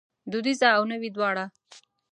دودیزه او نوې دواړه